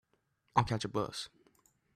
I'll catch a bus.